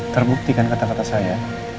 terbukti kan kata kata saya